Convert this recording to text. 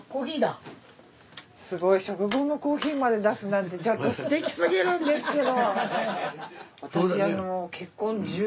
すごい食後のコーヒーまで出すなんてちょっとすてきすぎるんですけど。